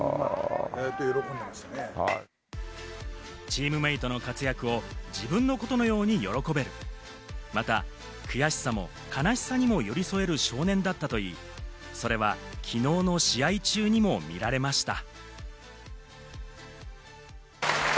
チームメートの活躍を自分のことのように喜べる、また、悔しさも悲しさにも寄り添える少年だったといい、それは昨日の試合中にも見られました。